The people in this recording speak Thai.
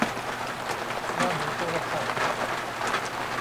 วางหูโทรศัพท์